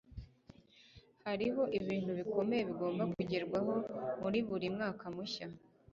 hariho ibintu bikomeye bigomba kugerwaho muri buri mwaka mushya